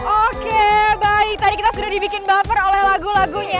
oke baik tadi kita sudah dibikin buffer oleh lagu lagunya